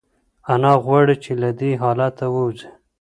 انا غواړي چې له دې حالته ووځي.